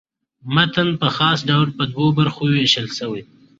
متن په خاص ډول پر دوو برخو وېشل سوی.